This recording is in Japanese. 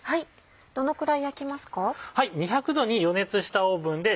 どのくらい焼きますか？